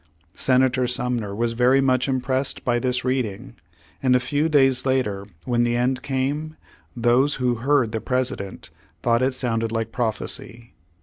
Senator Sumner was very much impressed by this reading, and a few days later, when the end came, those who heard the President, thought it sounded like prophesy.